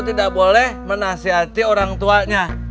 tidak boleh menasihati orang tuanya